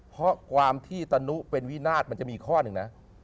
เพราะความที่ตะนุเป็นวินาศมันจะมีข้อหนึ่งนะ